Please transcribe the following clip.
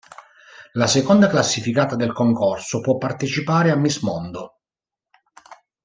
La seconda classificata del concorso può partecipare a Miss Mondo.